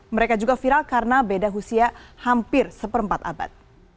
mereka juga viral karena beda usia hampir seperempat abad